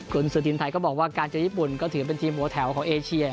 คุณสุธินไทยก็บอกว่าการเจอญี่ปุ่นก็ถือเป็นทีมหัวแถวของเอเชีย